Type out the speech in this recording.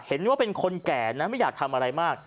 เห็นว่าเป็นคนแก่นะไม่อยากทำอะไรมาก